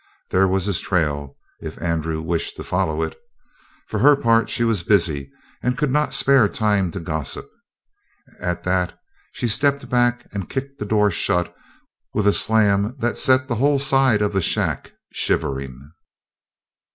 There was his trail, if Andrew wished to follow it. For her part, she was busy and could not spare time to gossip. At that she stepped back and kicked the door shut with a slam that set the whole side of the shack shivering.